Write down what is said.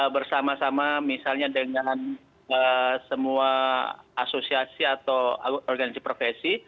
bersama sama misalnya dengan semua asosiasi atau organisasi profesi